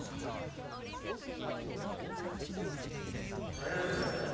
早くないか？